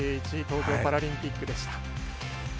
東京パラリンピックでした。